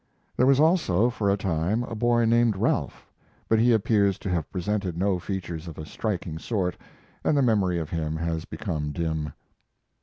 There was also, for a time, a boy named Ralph; but he appears to have presented no features of a striking sort, and the memory of him has become dim.